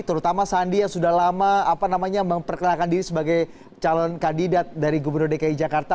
terutama sandi yang sudah lama memperkenalkan diri sebagai calon kandidat dari gubernur dki jakarta